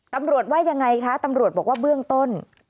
ว่ายังไงคะตำรวจบอกว่าเบื้องต้น